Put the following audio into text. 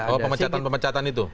oh pemecatan pemecatan itu